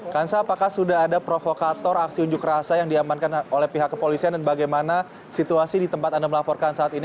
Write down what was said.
kansa apakah sudah ada provokator aksi unjuk rasa yang diamankan oleh pihak kepolisian dan bagaimana situasi di tempat anda melaporkan saat ini